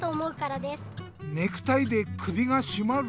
ネクタイで首がしまる？